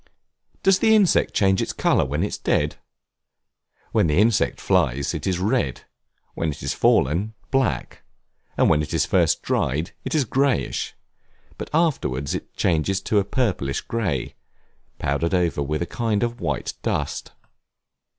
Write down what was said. Does the insect change its color when it is dead? When the insect flies, it is red; when it is fallen, black; and when first dried, it is greyish; it afterwards changes to a purplish grey, powdered over with a kind of white dust.